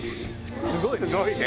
すごいね。